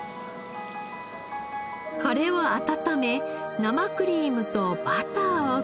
これを温め生クリームとバターを加え。